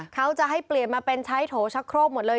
เขาจะให้เปลี่ยนมาเป็นใช้โถชักโครกหมดเลย